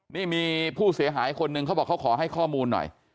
นี่มีผู้เสียหายคนหนึ่งเขาบอกเขาขอให้ข้อมูลหน่อย